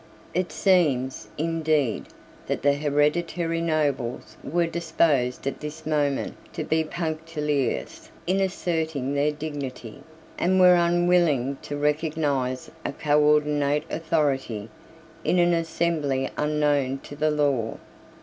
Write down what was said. It seems, indeed, that the hereditary nobles were disposed at this moment to be punctilious in asserting their dignity, and were unwilling to recognise a coordinate authority in an assembly unknown to the law.